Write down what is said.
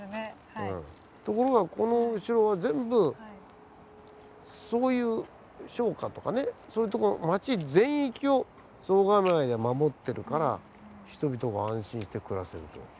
ところがこの後ろは全部そういう商家とかねそういうとこ町全域を総構で守ってるから人々が安心して暮らせると。